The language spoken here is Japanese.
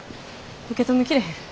受け止めきれへん。